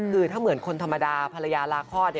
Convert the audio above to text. คือถ้าเหมือนคนธรรมดาภรรยาลาคลอด